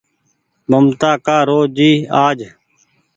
ممتآ ڪآ رو آج